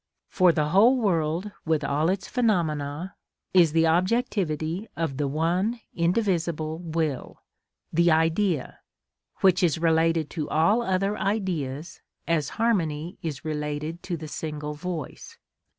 For the whole world, with all its phenomena, is the objectivity of the one indivisible will, the Idea, which is related to all other Ideas as harmony is related to the single voice.